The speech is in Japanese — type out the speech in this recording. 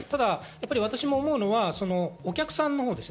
私も思うのはお客さんのほうです。